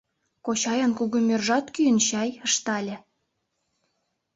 — Кочайын кугымӧржат кӱын чай? — ыштале.